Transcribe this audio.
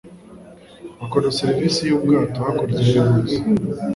Bakora serivisi yubwato hakurya y'uruzi.